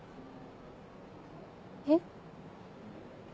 えっ？